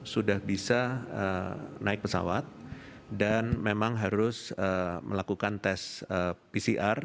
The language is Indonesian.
sudah bisa naik pesawat dan memang harus melakukan tes pcr